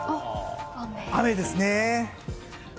雨ですね。